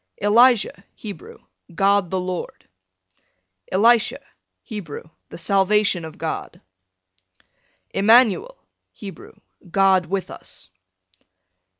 Elijah, Hebrew, God the Lord. Elisha, Hebrew, the salvation of God. Emmanuel, Hebrew, God with us.